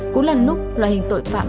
cũng là lúc loài hình tội phạm